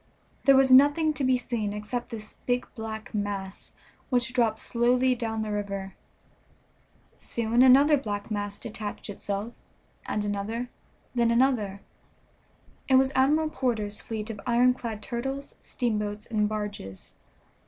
There was nothing to be seen except this big black mass, which dropped slowly down the river. Soon another black mass detached itself, and another, then another. It was Admiral Porter's fleet of ironclad turtles, steamboats, and barges.